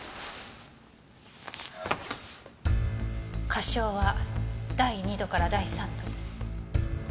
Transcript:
火傷は第二度から第三度。